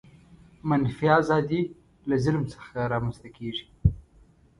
منفي آزادي له ظلم څخه رامنځته کیږي.